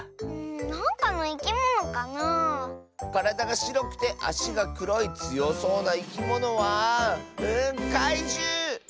からだがしろくてあしがくろいつよそうないきものはかいじゅう！